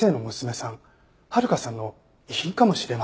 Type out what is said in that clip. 遥さんの遺品かもしれません。